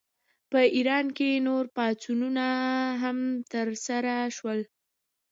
په ایران کې نور پاڅونونه هم ترسره شول.